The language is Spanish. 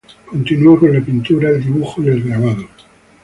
Continúa con la pintura, el dibujo y el grabado.